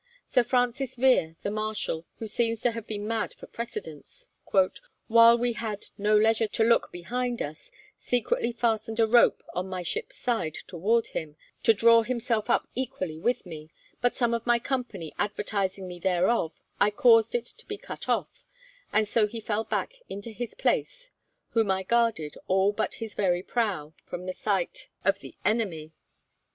Sir Francis Vere, the marshal, who seems to have been mad for precedence, 'while we had no leisure to look behind us, secretly fastened a rope on my ship's side toward him, to draw himself up equally with me; but some of my company advertising me thereof, I caused it to be cut off, and so he fell back into his place, whom I guarded, all but his very prow, from the sight of the enemy.'